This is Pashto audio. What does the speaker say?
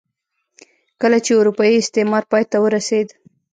کله چې اروپايي استعمار پای ته ورسېد.